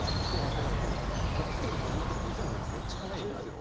だからもうサブスクでも始まったの２００５年ってめっちゃ早いんですよ。